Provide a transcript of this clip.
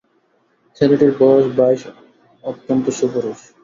ছেলেটির বয়স বাইশ, অত্যন্ত সুপুরুষ।